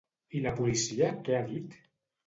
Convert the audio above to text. I la policia què ha dit?